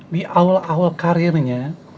di awal awal karirnya